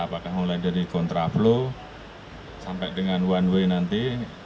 apakah mulai dari kontraflux sampai dengan one way nanti